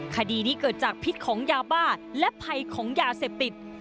คดีนี้เกิดจากพิษของยาบ้าและภัยของยาเสพติด